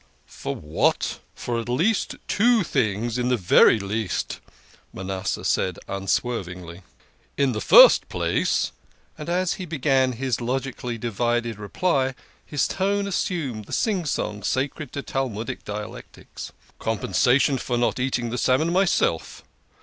"" For what? For two things at the very least," Manasseh said unswervingly. " In the first place," and as he began his logically divided reply his tone assumed the sing song sacred to Talmudical dialectics, " compensation for not eating the salmon myself.